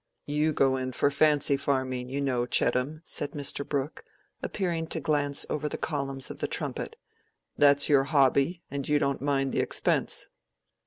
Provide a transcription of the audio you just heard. "You go in for fancy farming, you know, Chettam," said Mr. Brooke, appearing to glance over the columns of the "Trumpet." "That's your hobby, and you don't mind the expense."